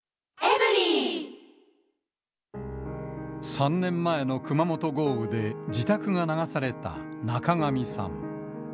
３年前の熊本豪雨で自宅が流された中神さん。